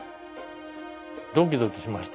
ドキドキしました。